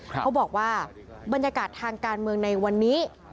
เขาบอกว่าบรรยากาศทางการเมืองในวันนี้